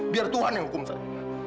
biar tuhan yang hukum saya